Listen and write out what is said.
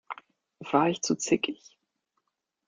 War ich zu zickig?